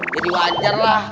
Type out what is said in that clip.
jadi wajar lah